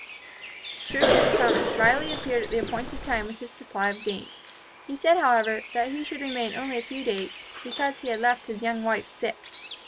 True to his promise, Riley appeared at the appointed time with his supply of game. He said, however, that he should remain only a few days, because he had left his young wife sick.